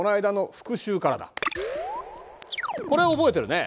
これ覚えてるね。